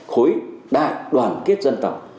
khối đại đoàn kết dân tộc